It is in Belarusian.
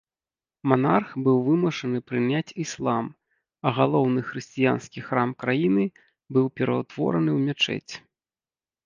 Манарх быў вымушаны прыняць іслам, а галоўны хрысціянскі храм краіны быў пераўтвораны ў мячэць.